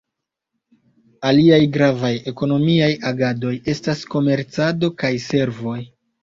Aliaj gravaj ekonomiaj agadoj estas komercado kaj servoj.